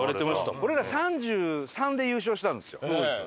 俺ら３３で優勝したんですよ。